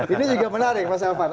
ini juga menarik mas elvan